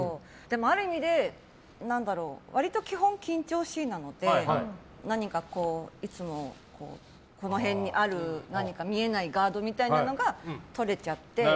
ある意味で割と基本緊張しいなので何か、いつもこの辺にある見えないガードみたいなのが取れちゃって。